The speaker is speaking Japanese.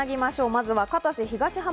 まずは片瀬東浜